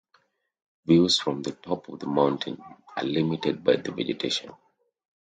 Views from the top of the mountain are limited by the vegetation.